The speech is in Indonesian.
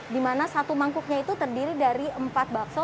di mana satu mangkuknya itu terdiri dari empat bakso